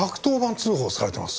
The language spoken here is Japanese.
通報されてます。